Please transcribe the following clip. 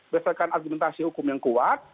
berdasarkan argumentasi hukum yang kuat